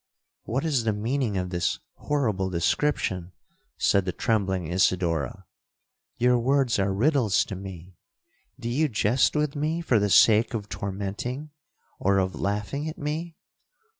'—'What is the meaning of this horrible description?' said the trembling Isidora; 'your words are riddles to me. Do you jest with me for the sake of tormenting, or of laughing at me?'